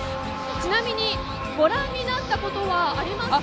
ちなみに、ご覧になったことはありますか？